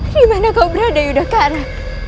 dimana kau berada yudhokara